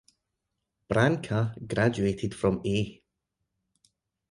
Branca graduated from A.